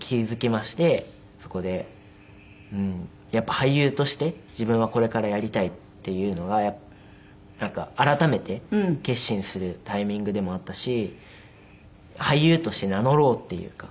そこでやっぱり俳優として自分はこれからやりたいっていうのが改めて決心するタイミングでもあったし俳優として名乗ろうっていうか。